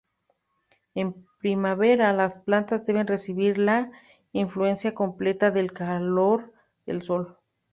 En primavera, las plantas deben recibir la influencia completa del calor del sol.